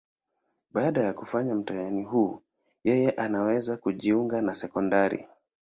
Baada ya kufanya mtihani huu, yeye anaweza kujiunga na sekondari.